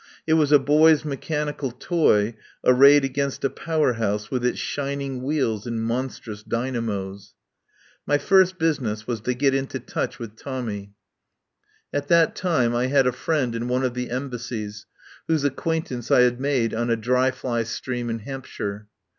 It was a boy's mechanical toy arrayed against a Power House with its shin ing wheels and monstrous dynamos. My first business was to get into touch with Tommy. 90 THE TRAIL OF THE SUPER BUTLER At that time I had a friend in one of the Embassies, whose acquaintance I had made on a dry fly stream in Hampshire.